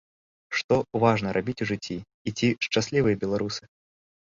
Што важна рабіць у жыцці і ці шчаслівыя беларусы?